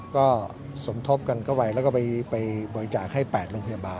ก็สมทบกันก็ไหวแล้วก็ไปไปบริจาคให้แปดโรงพยาบาล